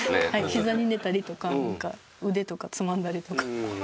ひざに寝たりとか腕とかつまんだりとかして。